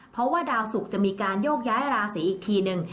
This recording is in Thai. เพราะว่าดาวสุกจะมีการโยกย้ายราศีอีกทีนึง